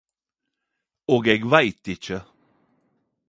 Og eg veit ikkje.